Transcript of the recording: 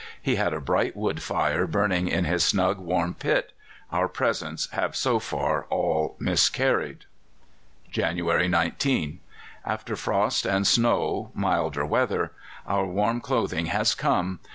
He had a bright wood fire burning in his snug warm pit. Our presents have so far all miscarried. "January 19. After frost and snow milder weather. Our warm clothing has come!